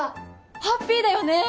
ハッピーだよね？